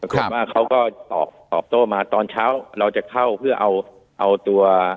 เขาก็ตอบตอบโต้มาตอนเช้าเราจะเข้าเพื่อเอาตัว